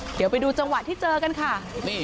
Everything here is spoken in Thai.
เดี๋ยวไปดูจังหวะที่เจอกันค่ะ